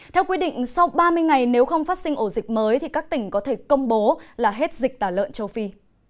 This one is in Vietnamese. theo quy định sau ba mươi ngày nếu không phát sinh ổ dịch mới thì các tỉnh có thể công bố là hết dịch tả lợn châu phi